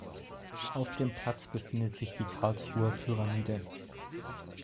Auf dem Platz befindet sich die Karlsruher Pyramide.